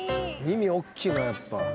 耳大きいなやっぱ。